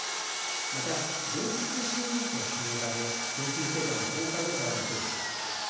また、電気通信技術の普及のため研究成果の公開を定めています。